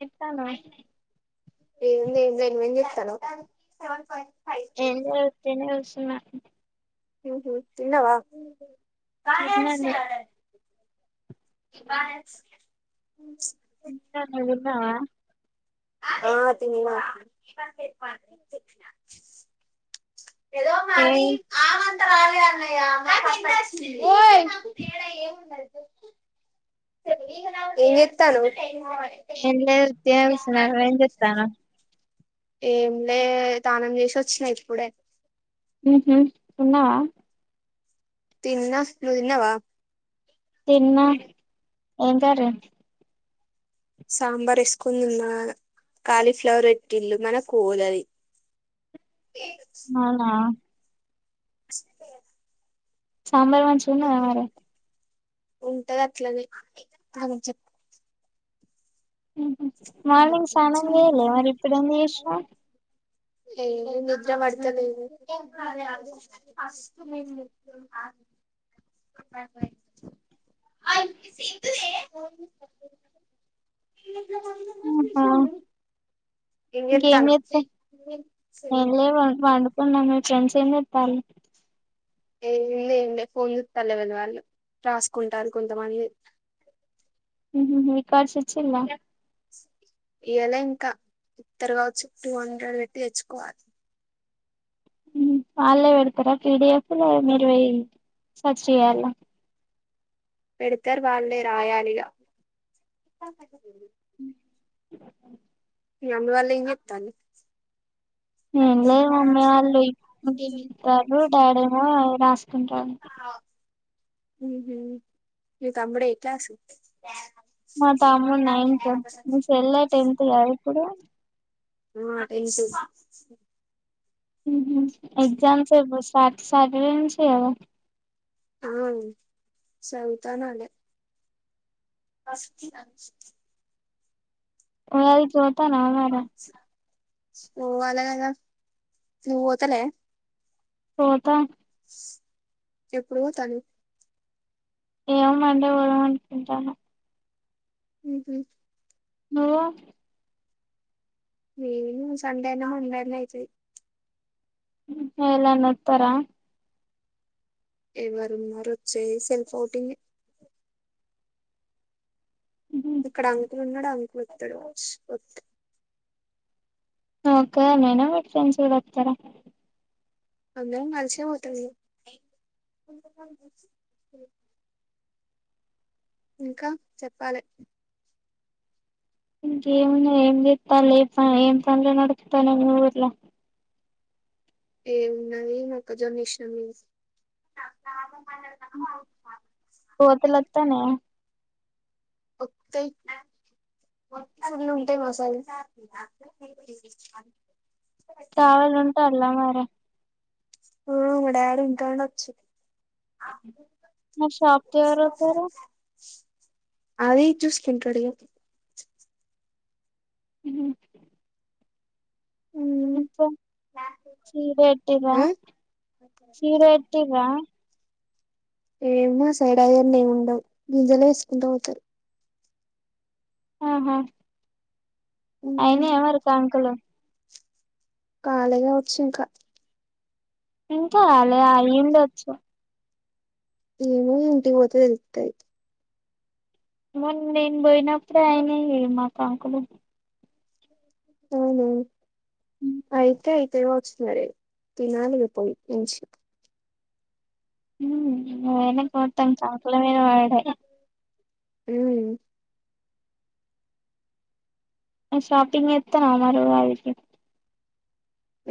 చెప్తాను ఏంది ఏం ఏం చేస్తానవు సెవన్ ఫైవ్ ఏం లేదు ఉత్తిగని నా హు హు తిన్నవా బానే తిన్నాను వచ్చినాయి ఆట బాగా వచ్చి తిన్న నువ్వు తిన్నావా ఆ తిన్న ఏదో మరి ఏం ఆమంతరాలే అన్నయ్య నాకు ఫస్ట్ వచ్చింది ఓయ్ నీకు నాకు తేడా ఏమున్నది చెప్పు ఏం చే ఇత్తన్నావు ఏం లేదు ఒట్టిగానే కూర్చున్న అడా ఏంచేస్తనవ్ ఏం లే తానమ్ చేసి వచ్చినా ఇప్పుడే హుహు తిన్నావా తిన్న నువ్వు తిన్నావా తిన్న ఏం కర్రీ సాంబార్ వేసుకొని తిన్న కాలీఫ్లవర్ పెట్టిల్లు మనకు పోదు ఆది అవునా స్ సాంబార్ మంచిగా ఉన్నదా మరి ఉంటది అట్లానే అదే చెప్ హ్ హ్ మార్నింగ్ స్నానం చేయలే మరి ఇప్పుడు ఎందుకు చేసినవు. ఏడ నిద్ర పడుతలేదు. ఆహా ఏం ఇకేం చేత్తానవ్ చేస్త ఏం లే పండు కున్న. మీ ఫ్రెండ్స్ ఏం చేస్తాన్లు ఏం లే ఏం లే ఫోన్ చూస్తున్నార ఎవరిదీ వాళ్ళు రాసుకుంటరు కొంతమంది హ్ హ్మ్ రికార్డ్స్ ఇచ్చిల్లా ఇయ్యలే ఇంకా ఇత్తరు కావచ్చు టూ హండ్రెడ్ పెట్టి తెచ్చుకోవా వాళ్ళే పెడతారా పిడిఎఫ్ లో మీరు పోయి సర్చ్ చేయాలా పెడ్తరు వాళ్ళే రాయాలిగ మీ మమ్మీ వాల్ ఏం చెత్తన్లు ఎం లే మమ్మీ వాళ్ళు ఇద్దరు డాడీ ఏమో రాస్ కుంటాడు. హ్ మ్ మీ తమ్ముడు ఏ క్లాస్ మా తమ్ముడు నైన్త్ మీ చెల్లె టెన్త్ కదా ప్పుడు ఆ టెన్త్ మ్ హ్ ఎగ్జామ్స్ సాట్ సాటర్డే నుంచే కదా అవును సాధుతే అనాలే [inaudible] [inaudible] పోయి తాన్నవా మరి ఓ అలాగలా నువ్వు పోతలే పోత ఎప్పుడు పోతానవ్వు ఏమో మండే పోదాం అనుకుంటాన్న మ్ హ్ నువ్వు నేను సండే అయిన మండే అయిన అయితది ఎవలన్న ఒత్తరా ఎవరు ఉన్నారు వచ్చాసి సెల్ఫ్ హౌటింగ్ నువ్వు ఇక్కడ అంకుల్ ఉన్నడు అంకుల్ ఒత్తడ్ కావొచ్చు ఒత్తే ఓకే నేనా మీ ఫ్రెండ్స్ గుడా ఒత్తరా అందరం కలిసే పోతం ఇగ ఇంకా చెప్పాలే ఎంకేమున్నది. ఏం చేత్తన్లు ఎ పని ఏం పనులు నడుస్తున్నాయి మీ ఊర్ల ఏ ఉన్నది మొక్కజొన్న యేసినము కోతులు అత్తాన్నయా ఓత్తయి. కావాలి ఉంటాన్ల మరి ఆ మా డాడీ ఉంటాడొచ్చు మరి షాప్ కి ఎవరు పోతారు అది చూసి తింటాడు మ్మ్ ఇంకా చీర పెట్టిర్ర ఆ చీర పెట్టిర్రా ఏ మా సైడ్ ఆయన్ని ఉండవు గింజలే వేసుకుంటూ పోతారు ఆహా అయినయా మరి కంకులు కాలే కావచ్చు వచ్చా ఇంకా ఇంకా ఆలే అయి ఉండొచ్చు ఏమోఇంటికి పోతే తెలుత్తది మొన్న నేను పోయినప్పుడే అయినాయి మా కంకులు అవున అయితే ఎత్తగావచ్చు మరి తినాలిగా పోయి మంచిగా మ్మ్ మీ ఆయనకు మొత్తం కంకుల మీద పడుడేనా మ్మ్ నువ్ షాపింగ్ చేతన్నావా మరే ఉగాదికి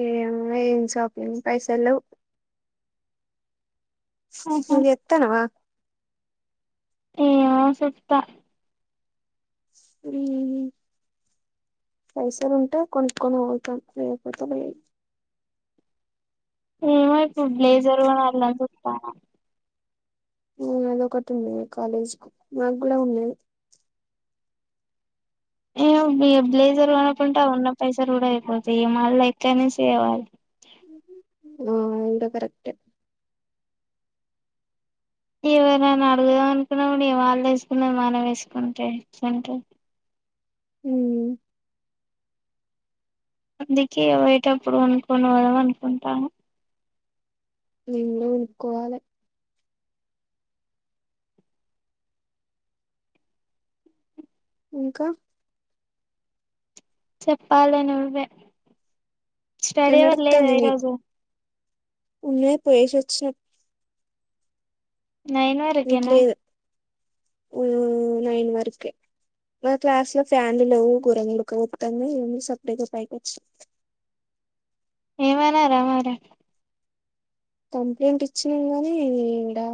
ఏమో ఏం షాపింగ్ పైసలు లేవ్ ఆహా నువ్వు చేత్తున్నావా ఏ ఆసత్తా మ్మ్ పైసలు ఉంటే కొనుక్కొని పోతాం లేకపోతే లే కు వైపు బ్లేజర్ కూడా వాల్లె అంట ఇత్తర అదొకటి ఉంది కాలేజ్ కు మాకు కూడా ఉన్నాది ఏవి యబ్ లలేజర్ కొనపుంట ఉన్నాం పైసలు కూడా అయిపోతయి ఏ మళ్ళ ఇట్లనే సేవాలి ఆ ఆది కూడా కరెక్ట్ ఏవైనాని అడుగదాం అనుకున్నా ఏ వాళ్ళు వేసుకున్న మనం వేసుకుంటేంట మ్మ్ అందుకే బయటప్పుడు అనుకునిద అనుకుంటాను నేను కూడా కొనుక్కోవాలి ఇంకా చెప్పాల నువ్వే ఎట్లా స్టడీ అవర్ లేదా ఈరోజు ఉన్నా పయేశ వచ్చినాం నైన్ వరకెనా మ్మ్ నైన్ వరకే మా క్లాస్లో ఫ్యాన్లు లేవు గోరంగా ఉడక పొత్తంది సప్పడి అయితే పైకి వచ్చ ఏమ్ అనరా మరి కంప్లైంట్ ఇచ్చిన్లు గనీ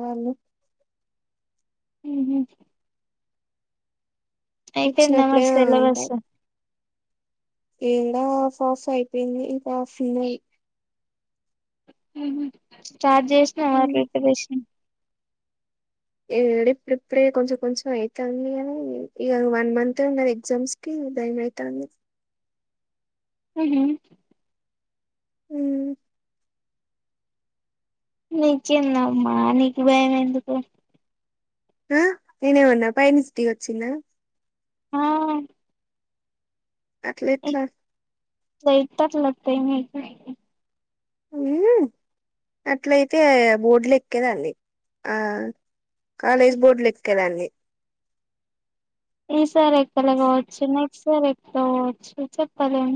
వాళ్ళు మ్మ్ అయితే ఇచ్చినప్పుడే నమస్తే యేళ్ళవచ్చు ఇలా ఆఫ్ ఆఫ్ అయిపోయింది ఇంకా ఆఫ్ ఉన్నది హ్మ్ హు స్టార్ట్ చేసినవా ప్రిపరేషన్ ఏడ ఇప్పుడిప్పుడే కొంచెం కొంచెం అయితాంది కానీ ఇగ వన్ మంత్మే ఎగ్జామ్స్కి భయం అయితాంది ఊ హు మ్మ్ నీ చిన్నమ్మా నీకి భయం ఎందుకు ఆ నేనెమన్నా పైనుంచి దిగి ఒచ్చిన్నా ఆ అట్లా ఎట్ల [unintelligible] వత్తాయి మీకు ఉ అట్లయితే బోర్డులు ఎక్కేదాన్నీ ఆ కాలేజ్ బోర్డులు ఎక్కేదాన్నీ ఈ సార్ ఎక్కలే కావచ్చు నెక్స్ట్ సార్ ఎక్కుతవ్ కావచ్చు చెప్పాలేం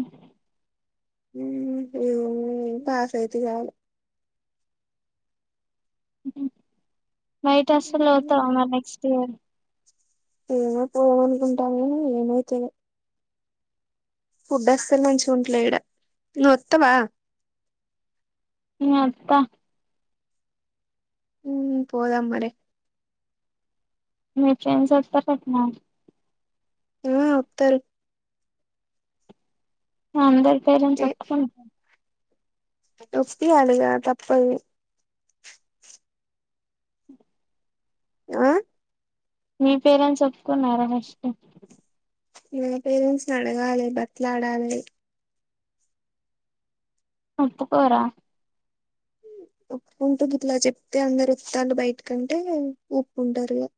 మ్మ్ ఇవన్నీ పాస్ అయితే చాలు హ్మ్ హు బయట అసలు చదువుతవ మరి నెక్స్ట్ ఇయర్ ఏమో పోదాం అంటం గాని ఏమైతదో ఫుడ్ అసల్ మంచిగుంటలే ఇడ నువు వత్తవ మ్ వత్త మ్మ్ పోదాం మరీ మీ ఫ్రెండ్స్ వత్తర్ అట్నా ఆ వత్తరు అందరికీ పేషన్స్ ఒప్పుకున్ నొప్పి యాలిగా తప్పదు ఆ మీ పేరెంట్స్ ఒప్పుకున్నారా నెక్స్ట్ ఇగ పేరెంట్స్ నీ అడగాలె బతిలాడాలె ఒప్పుకోరా ఒప్పుకుంటూ గీట్లా చెప్తే అందరు ఓత్తాళ్ళు బయట కంటే ఒప్పు ఉంటారు ఇగ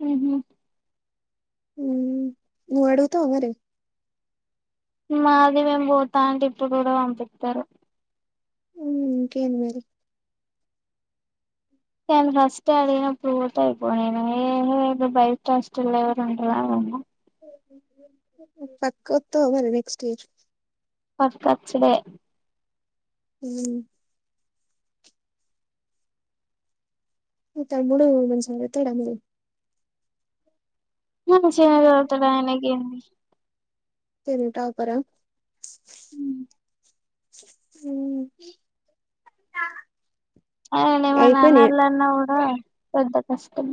హ్మ్ హు ఉ నువ్వు అడుగుతావా మరి మాది మేము పోతా అంటే ఇప్పుడు కూడా పంపిత్తరు మ్మ్ ఇంకేంది మరి నేను ఫస్టే అడిగినప్పుడు పో త అయిపోనీ ఏ [unintelligible] బయట హాస్టల్లో ఎవరుంటారు అని పకుత్ మళ్లీ నెక్స్ట్ ఏజ్ పక్క అచ్చుడే మ్మ్ మీ తమ్ముడు మంచిగా వత్తాడ మరి మంచిగనే చదువుతాడు ఆయనకేంది తింటా పరా హ్మ్ ఆయనేమన్నానాలన్నా కూడా పెద్ద కష్టం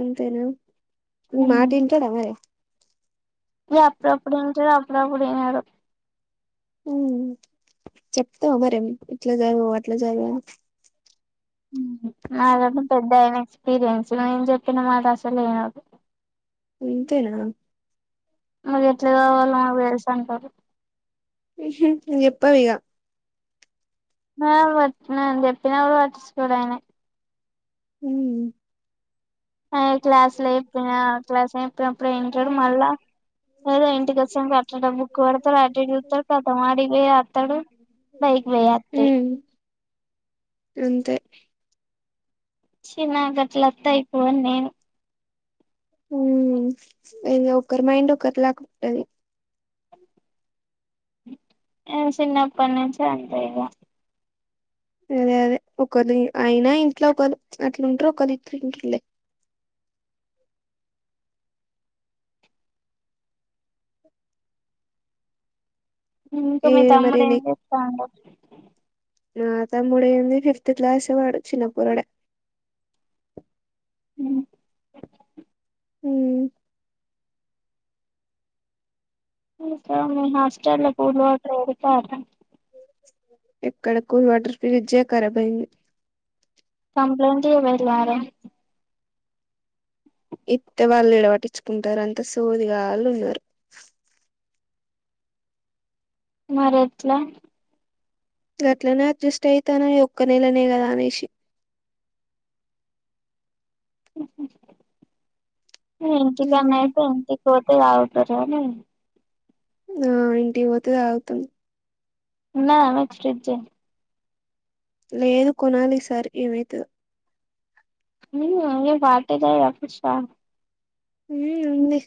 అంతేనా నీ మాట ఇంటాడా మరి ఇక అప్పుడప్పుడు వింటాడు అప్పుడప్పుడు ఈనడు ఉ చెప్తావా మరి ఇట్లా చదువు ఎట్లా చదువు అని నాదంట పెద్ద ఏమి ఎక్స్పీరియన్స్ నేను చెప్పిన మాట అస్సలు వినడు ఉంతేనా మరి ఎట్లా చదవాలనో నాకు తెలుసు అంటారు హు హు నువ్వు చెప్పవిగా మావత్ నేను చెప్పిన కూడా పట్టించుకోడాయన హమ్ క్లాస్ లో చెప్పిన క్లాస్ లో చెప్పినప్పుడు వింటాడు మళ్ళా ఏదో ఇంటికి వచ్చా అట్లనే బుక్ పడతాడు అటు ఇటు చూస్తాడు కతం ఆడికి పోయి పోస్తాడు బైకి బై వత్తయ్ ఉమ్ అంతే చి నా గట్ల అత్తే అయిపో అని నేను ఉమ్ ఏంది ఒకరు మైండ్ ఒకరి లాగా ఉంటది నేను చిన్నప్పటి నుంచి అంతే ఇంకా అదే అదే ఒకరు అయినా ఇంట్లో ఒకరు అట్లుంటారు ఒకరు ఎట్లుంటరు లే ఇంకా ఏ మీ మరి తమ్ముడు ఏం చేస్తాండు మా తమ్ముడు ఏంది ఫిఫ్త్ క్లాస్ వాడు చిన్న పోరడే హ్మ్ వా హాస్టల్ పూర్ట పెడతారా ఎక్కడ కూల్ వాటర్ ఫిరిజే కరాబ్ అయింది కంప్లట్వలారే ఇత్త వాళ్ళు విడవటించుకుంటారు అంతా సోదిగాళ్ళు ఉన్నారు మరి ఎట్లా గట్లనే అడ్జస్ట్ అయితాన ఈ ఒక్క నెలనే కదా అనేసి ఊ హు హు ఉమ్ ఏంటికాన్నాయి ఉంటి పోతే అతుగుతరు అని ఆ ఇంటి పోతేద అగుతుంది ఉందా మీకు ఫ్రిడ్జే లేదు కొనాలి ఈ సార్ ఏమైందో అయ పార్టీ లేదా పుష్పా ఉ ఉంది